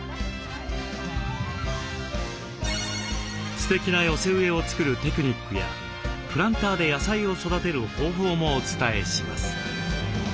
すてきな寄せ植えを作るテクニックやプランターで野菜を育てる方法もお伝えします。